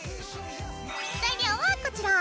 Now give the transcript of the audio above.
材料はこちら。